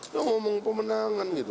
dia ngomong pemenangan gitu